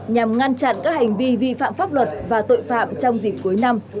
nhằm ngăn chặn các hành vi vi phạm pháp luật và tội phạm trong dịp cuối năm